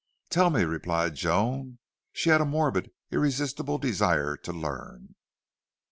"Tell me," replied Joan. She had a morbid, irresistible desire to learn.